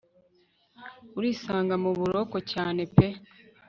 urisanga muburoko cyane pe